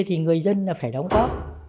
thì người dân là phải đóng tóc